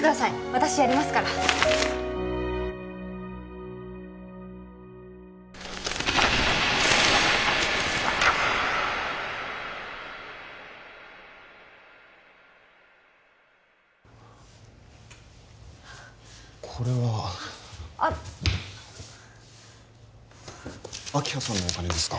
私やりますからこれはあっ明葉さんのお金ですか？